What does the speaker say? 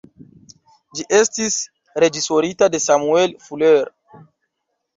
Ĝi estis reĝisorita de Samuel Fuller.